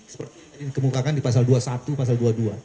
seperti yang dikemukakan di pasal dua puluh satu pasal dua puluh dua